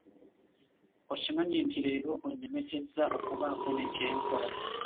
Okimanyi nti leero onnemeseza okubaako ne kye nkola.